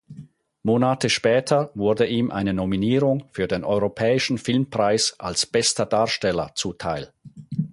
Monate später wurde ihm eine Nominierung für den Europäischen Filmpreis als "Bester Darsteller" zuteil.